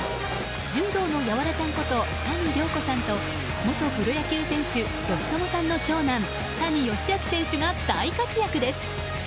柔道のヤワラちゃんこと谷亮子さんと元プロ野球選手佳知さんの長男谷佳亮選手が大活躍です。